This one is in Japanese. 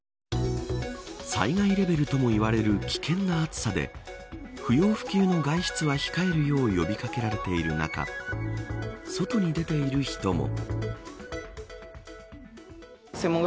災害レベルともいわれる危険な暑さで不要不急の外出は控えるよう呼び掛けられているのか外に出ている人も。